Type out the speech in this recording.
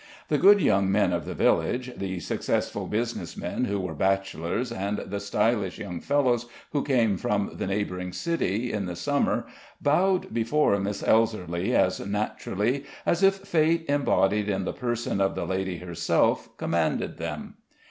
The good young men of the village, the successful business men who were bachelors, and the stylish young fellows who came from the neighboring city in the Summer, bowed before Miss Elserly as naturally as if fate, embodied in the person of the lady herself, commanded them.